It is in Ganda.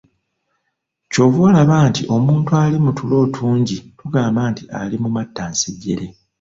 Ky'ova olaba nti omuntu ali mu tulo otungi tugamba nti ali mu "matta nsejjere"